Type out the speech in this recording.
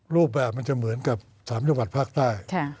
รูปแบบมันจะเหมือนกับ๓จังหวัดภาคใต้